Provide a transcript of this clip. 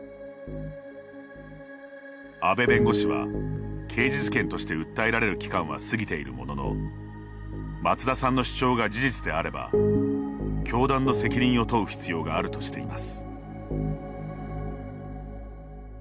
阿部弁護士は刑事事件として訴えられる期間は過ぎているものの松田さんの主張が事実であれば教団の責任を問う必要があるとしています。